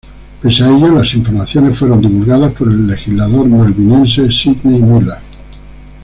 Pese a ello las informaciones fueron divulgadas por el legislador malvinense Sydney Miller.